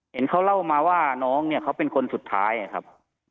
เห็นเขาเล่ามาว่าน้องเนี่ยเขาเป็นคนสุดท้ายนะครับ